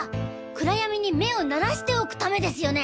暗闇に目を慣らしておくためですよね！